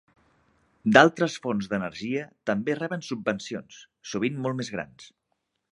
D'altres fonts d'energia també reben subvencions, sovint molt més grans.